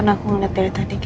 di nasabah waerumek